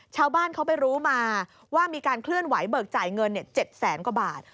ชาวบ้านเขาไปรู้มาว่ามีการเคลื่อนไหวเบิกจ่ายเงิน๗แสนกว่าบาท